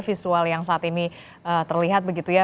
visual yang saat ini terlihat begitu ya